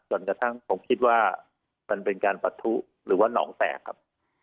จนกระทั่งผมคิดว่ามันเป็นการปะทุหรือว่าหนองแตกครับ